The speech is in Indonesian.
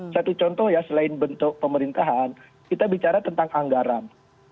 satu contoh ya selain bentuk pemerintahan kita bicara tentang anggaran